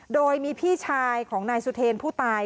โดยมีพี่ชายของนายสุเทรนผู้ตาย